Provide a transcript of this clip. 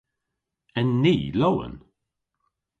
En ni lowen?